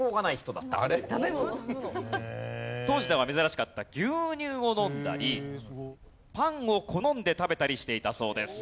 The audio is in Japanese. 当時では珍しかった牛乳を飲んだりパンを好んで食べたりしていたそうです。